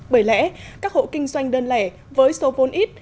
bởi lẽ các hộ kinh doanh đơn lẻ với số vốn ít